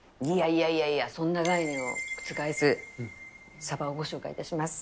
いやいやいや、そんな概念を覆すサバをご紹介いたします。